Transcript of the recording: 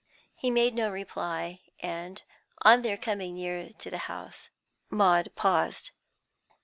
He made no reply, and, on their coming near to the house, Maud paused.